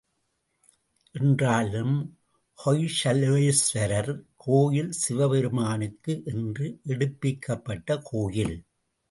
என்றாலும் ஹொய்சலேஸ்வரர் கோயில் சிவபெருமானுக்கு என்று எடுப்பிக்கப்பட்ட கோயில்.